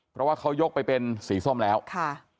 เพราะว่าเขายกไปเป็นสีส้มแล้วค่ะ